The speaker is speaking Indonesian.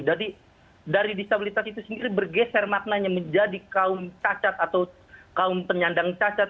jadi dari disabilitas itu sendiri bergeser maknanya menjadi kaum cacat atau kaum penyandang cacat